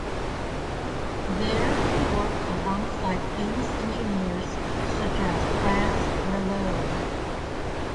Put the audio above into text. There he worked alongside famous engineers such as Franz Reuleaux.